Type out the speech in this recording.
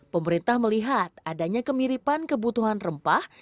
pemerintah melihat adanya kemiripan kebutuhan rempah